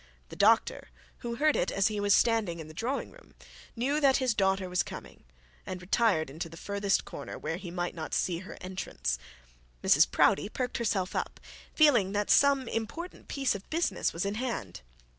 The doctor, who heard it as he was standing in the drawing room, knew that his daughter was coming, and retired to the furthest corner, where he might not see her entrance. Mrs Proudie parked herself up, feeling that some important piece of business was in hand.